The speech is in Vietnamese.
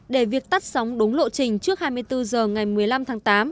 để việc tắt sóng đúng lộ trình trước hai mươi bốn h ngày một mươi năm tháng tám